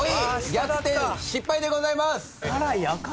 逆転失敗でございます！